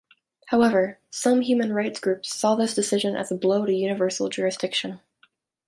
However, some human rights groups saw this decision as a blow to universal jurisdiction.